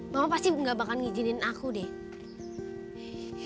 mama pasti nggak bakal ngijinin aku deh